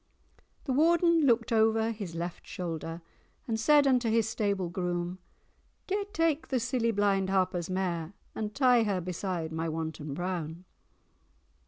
The Warden looked o'er his left shoulder, And said unto his stable groom— 'Gae take the silly blind Harper's mare, And tie her beside my Wanton Brown.